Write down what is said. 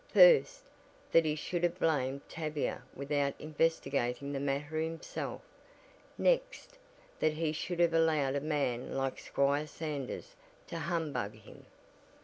First, that he should have blamed Tavia without investigating the matter himself; next that he should have allowed a man like Squire Sanders to "humbug" him.